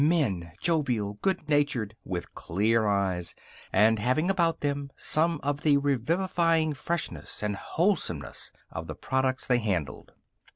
Men, jovial, good natured, with clear eyes, and having about them some of the revivifying freshness and wholesomeness of the products they handled.